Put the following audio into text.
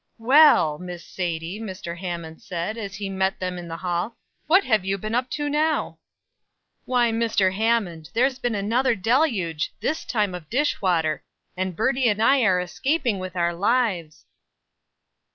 "Well! Miss Sadie," Mr. Hammond said, as he met them in the hall. "What have you been up to now?" "Why, Mr. Hammond, there's been another deluge; this time of dish water, and Birdie and I are escaping for our lives."